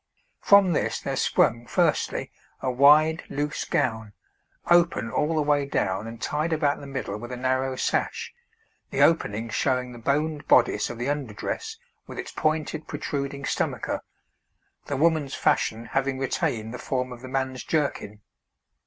From this there sprung, firstly, a wide, loose gown, open all the way down and tied about the middle with a narrow sash, the opening showing the boned bodice of the under dress with its pointed protruding stomacher, the woman's fashion having retained the form of the man's jerkin.